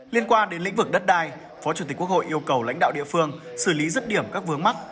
liên quan đến lĩnh vực đất đai phó chủ tịch quốc hội yêu cầu lãnh đạo địa phương xử lý rứt điểm các vướng mắt